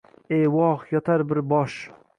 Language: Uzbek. E, voh, yotar bir bosh